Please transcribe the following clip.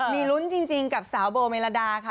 มีลุ้นจริงกับสาวโบเมลดาค่ะ